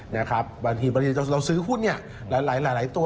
บางทีเราซื้อหุ้นหลายตัว